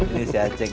ini si acek